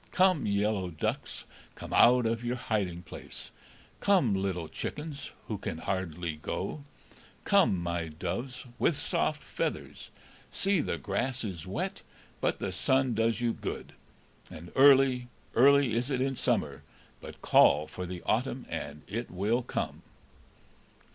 Come, yellow ducks, Come out of your hiding place; Come, little chickens, Who can hardly go; Come, my doves With soft feathers; See, the grass is wet, But the sun does you good; And early, early is it in summer, But call for the autumn, and it will come."